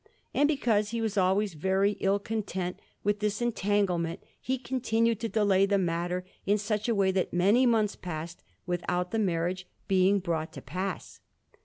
And because he was always very ill content with this entanglement, he continued to delay the matter in such a way that many months passed without the marriage being brought to pass.